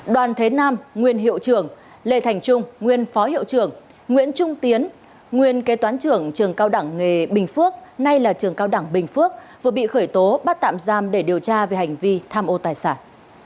đoàn thế nam nguyên hiệu trưởng lê thành trung nguyên phó hiệu trưởng nguyễn trung tiến nguyên kế toán trưởng cao đẳng nghề bình phước nay là trường cao đẳng bình phước vừa bị khởi tố bắt tạm giam để điều tra về hành vi tham ô tài sản